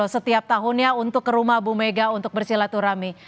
setiap tahunnya untuk ke rumah bu mega untuk bersilaturahmi